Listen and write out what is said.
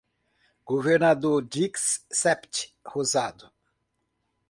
Governador Dix-Sept Rosado